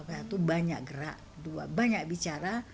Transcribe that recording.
itu banyak gerak dua banyak bicara